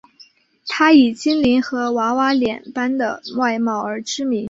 她以精灵和娃娃脸般的外貌而知名。